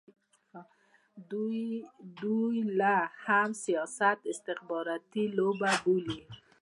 دوی لا هم سیاست د استخباراتي لوبه بولي.